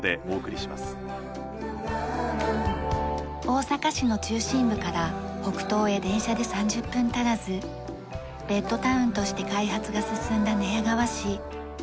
大阪市の中心部から北東へ電車で３０分足らずベッドタウンとして開発が進んだ寝屋川市。